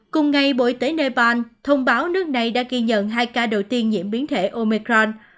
cùng ngày bộ y tế nepal thông báo nước này đã ghi nhận hai ca đầu tiên nhiễm biến thể omecran